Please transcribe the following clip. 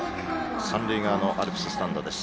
三塁側のアルプススタンドです。